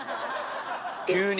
急に！